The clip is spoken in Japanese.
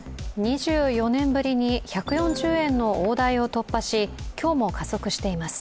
２４年ぶりに１４０円台の大台を突破し、今日も加速しています。